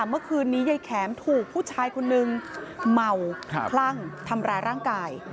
เมื่อคืนนี้ยายแข็มถูกผู้ชายคนนึงเมาคลั่งทำร้ายร่างกาย